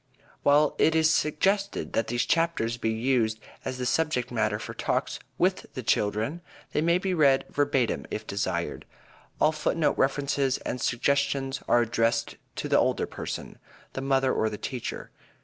While it is suggested that these chapters be used as the subject matter for talks with the children, they may read verbatim if desired. All foot note references and suggestions are addressed to the older person the mother or the teacher.